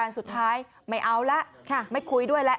สุดท้ายไม่เอาแล้วไม่คุยด้วยแล้ว